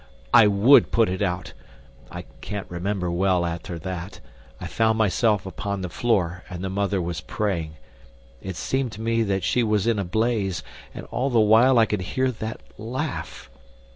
I WOULD put it out. I can't remember well after that. I found myself upon the floor, and the mother was praying. It seemed to me that she was in a blaze, and all the while I could hear that laugh.